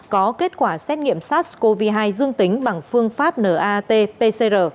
có kết quả xét nghiệm sars cov hai dương tính bằng phương pháp nat pcr